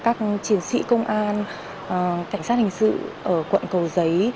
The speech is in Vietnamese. các chiến sĩ công an cảnh sát hình sự ở quận cầu giấy